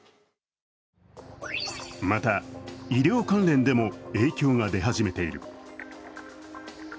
また、医療関連でも影響が出始めている。